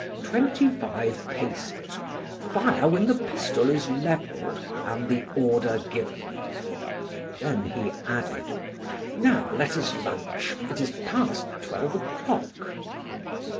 Twenty five paces, fire when the pistol is leveled and the order given." Then he added: "Now let us lunch; it is past twelve o'clock."